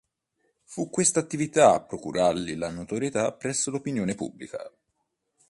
Fu questa attività a procurargli la notorietà presso l'opinione pubblica.